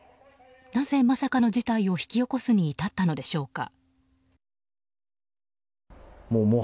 なぜ、まさかの事態を引き起こすに至ったのでしょうか。